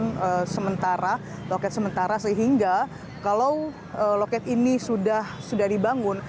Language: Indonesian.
loh ini sudah dibangun sementara loket sementara sehingga kalau loket ini sudah dibangun